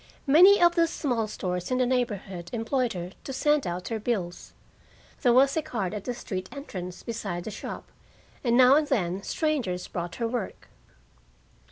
Many of the small stores in the neighborhood employed her to send out their bills. There was a card at the street entrance beside the shop, and now and then strangers brought her work.